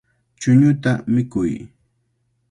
Chuñuta mikuy.